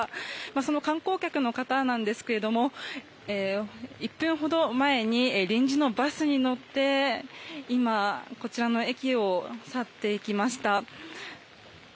その観光客の方ですが１分ほど前に臨時のバスに乗って今、こちらの駅を去っていきました。